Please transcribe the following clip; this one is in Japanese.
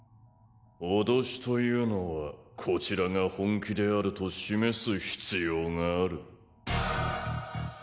脅しというのはこちらが本気であると示す必要がある。